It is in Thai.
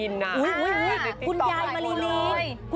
ชื่ออะไรคะ